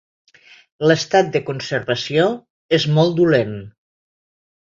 L'estat de conservació és molt dolent.